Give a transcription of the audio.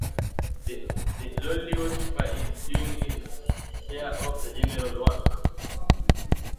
The lonely worshipper is doing his share of the general work.